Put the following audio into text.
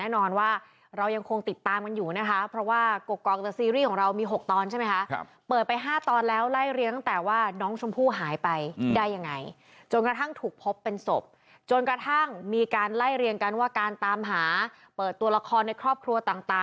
ในที่สูตรตำรวจชั้นเวลานานมากนะคะ